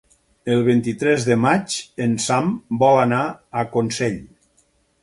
El vint-i-tres de maig en Sam vol anar a Consell.